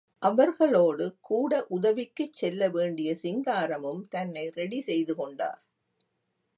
அவர்களோடு கூட உதவிக்குச் செல்ல வேண்டிய சிங்காரமும் தன்னை ரெடி செய்து கொண்டார்.